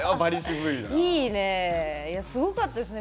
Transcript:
すごかったですね